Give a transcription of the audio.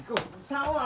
cứ đi vào đây đã